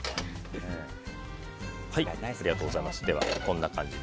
ではこんな感じで。